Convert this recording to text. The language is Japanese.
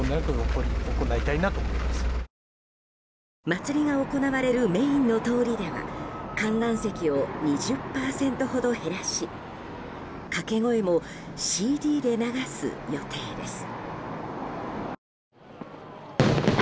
祭りが行われるメインの通りでは観覧席を２０％ほど減らしかけ声もＣＤで流す予定です。